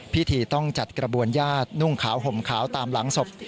พิธีต้องจัดกระบวนญาตินุ่งขาวห่มขาวตามหลังศพ